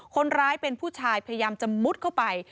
คนร้ายเป็นผู้ชายพยายามจะมุดเข้าไป